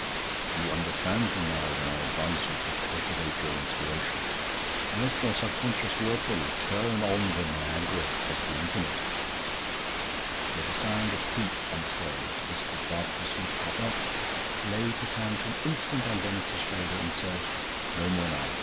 "You understand me now when I advise you to cultivate your Inspiration. Let your Subconscious work for you; turn on the Niagara of the Infinite." There was the sound of feet on the stairs. Mr. Barbecue Smith got up, laid his hand for an instant on Denis's shoulder, and said: "No more now.